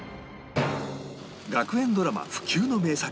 学園ドラマ不朽の名作